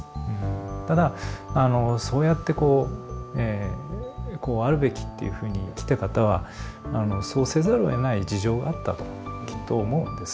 ただそうやってこうこうあるべきっていうふうに生きた方はそうせざるをえない事情があったときっと思うんです。